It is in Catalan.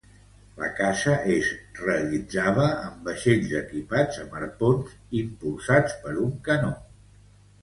La caça es realitzava amb vaixells equipats amb arpons impulsats per un canó.